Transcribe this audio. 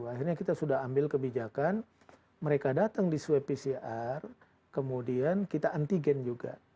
akhirnya kita sudah ambil kebijakan mereka datang di swab pcr kemudian kita antigen juga